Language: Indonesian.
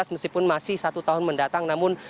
meskipun masih satu tahun mendatang namun